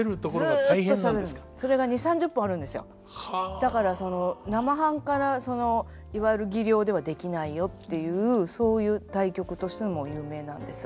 だから生半可なそのいわゆる技量ではできないよっていうそういう大曲としても有名なんです。